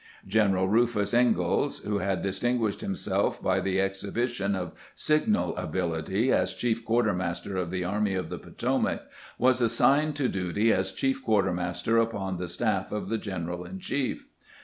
General Eufus Ingalls, who had distinguished himself by the exhibition of signal ability as chief quartermaster of the Army of the Potomac, was assigned to duty as chief quartermaster upon the staff of the general in chief.